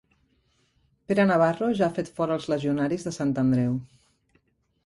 Pere Navarro ja ha fet fora els legionaris de Sant Andreu